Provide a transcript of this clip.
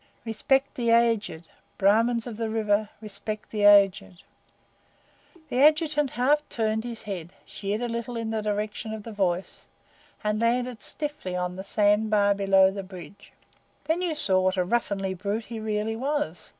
"Respect the aged! Brahmins of the River respect the aged!" The Adjutant half turned his head, sheered a little in the direction of the voice, and landed stiffly on the sand bar below the bridge. Then you saw what a ruffianly brute he really was.